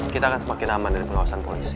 kita akan semakin aman dari pengawasan polisi